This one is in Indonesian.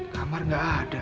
kamar nggak ada